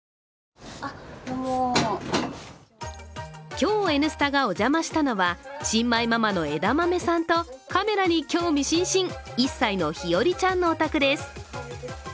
今日「Ｎスタ」がお邪魔したのは新米ママのえだまめさんとカメラに興味津々１歳のひよりちゃんのお宅です。